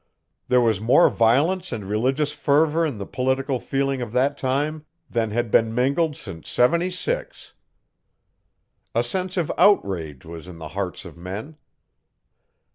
There was more violence and religious fervour in the political feeling of that time than had been mingled since '76. A sense of outrage was in the hearts of men.